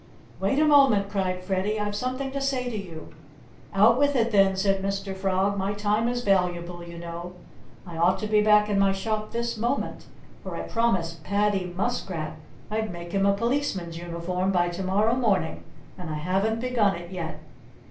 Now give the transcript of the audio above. "Wait a moment!" cried Freddie. "I've something to say to you!" "Out with it, then!" said Mr. Frog. "My time is valuable, you know. I ought to be back in my shop this moment; for I promised Paddy Muskrat I'd make him a policeman's uniform by to morrow morning. And I haven't begun it yet."